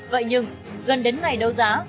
vậy nhưng gần đến ngày đầu giá